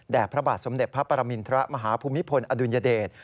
พระบาทสมเด็จพระปรมินทรมาฮภูมิพลอดุลยเดช